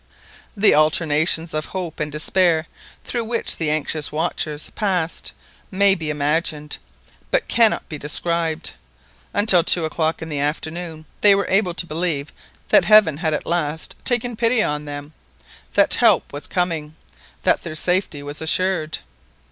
The alternations of hope and despair through which the anxious watchers passed may be imagined, but cannot be described. Until two o'clock in the afternoon they were able to believe that Heaven had at last taken pity on them—that help was coming—that their safety was assured.